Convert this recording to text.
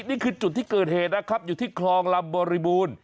นี่คือจุดที่เกิดเหตุนะครับอยู่ที่คลองลำบริบูรณ์